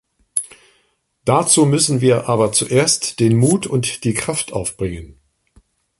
Dazu müssen wir aber zuerst den Mut und die Kraft aufbringen.